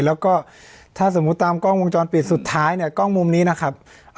แล้วก็ถ้าสมมุติตามกล้องวงจรปิดสุดท้ายเนี่ยกล้องมุมนี้นะครับ